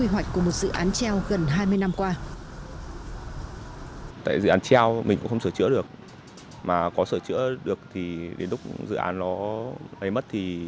hoạch của một dự án treo gần hai mươi năm qua